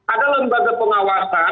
ada lembaga pengawasan